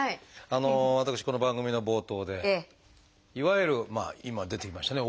私この番組の冒頭でいわゆるまあ今出てきましたね